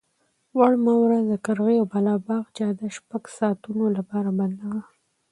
وړمه ورځ د قرغې او باغ بالا جاده شپږو ساعتونو لپاره بنده وه.